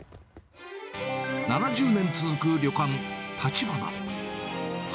７０年続く旅館、立花。